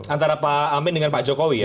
antara pak amin dengan pak jokowi ya